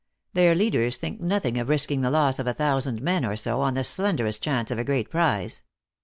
Their leaders think nothing of risking the loss of a thousand men or so, on the slenderest chance of a great prize.